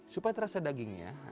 supaya terasa dagingnya